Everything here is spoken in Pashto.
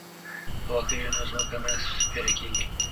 که واښه وي نو ځمکه نه سپیره کیږي.